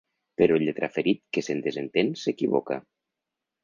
Però el lletraferit que se'n desentén s'equivoca.